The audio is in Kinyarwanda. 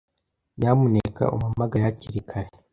Nyamuneka umpamagare hakiri kare.